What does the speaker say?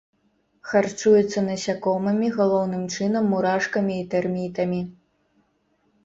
Харчуецца насякомымі, галоўным чынам мурашкамі і тэрмітамі.